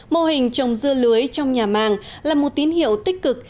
mô hình trồng dưa lưới trong nhà màng là một tín hiệu tích cực